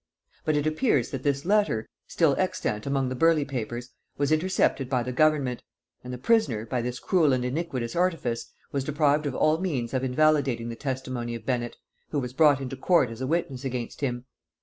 But it appears that this letter, still extant among the Burleigh papers, was intercepted by the government; and the prisoner, by this cruel and iniquitous artifice, was deprived of all means of invalidating the testimony of Bennet, who was brought into court as a witness against him.